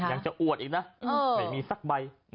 ยังจะอวดอีกนะไม่มีสักใบ